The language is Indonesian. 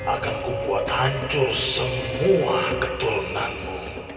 akan ku buat hancur semua keturunanmu